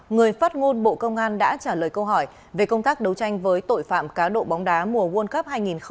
người phát ngôn bộ công an đã trả lời câu hỏi về công tác đấu tranh với tội phạm cá độ bóng đá mùa world cup hai nghìn hai mươi ba